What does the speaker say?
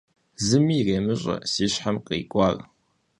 Зыми иремыщӀэ си щхьэм кърикӀуар.